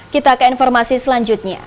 kita ke informasi selanjutnya